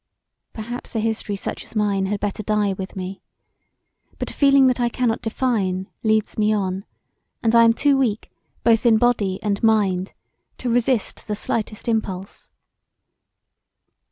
Perhaps a history such as mine had better die with me, but a feeling that I cannot define leads me on and I am too weak both in body and mind to resist the slightest impulse.